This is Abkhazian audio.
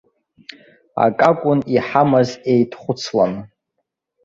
Акакәын иҳамаз еидхәыцлан.